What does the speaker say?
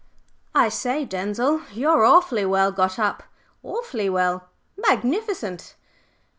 "I say, Denzil, you're awfully well got up! Awfully well! Magnificent!"